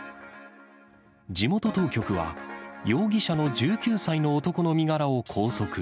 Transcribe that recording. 地元当局は、容疑者の１９歳の男の身柄を拘束。